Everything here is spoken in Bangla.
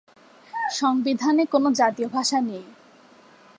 সংবিধানে কোনো জাতীয় ভাষা নেই।